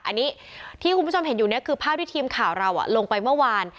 อันนี้ที่คุณผู้ชมเห็นอยู่เนี่ยคือภาพที่ทีมข่าวเราลงไปเมื่อวาน